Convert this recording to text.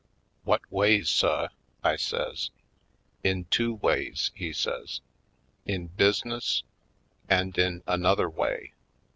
"Whut way, suh?" I says. "In two ways," he says; "in business — and in another way.